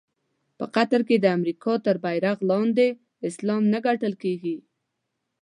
په قطر کې د امریکا تر بېرغ لاندې اسلام نه ګټل کېږي.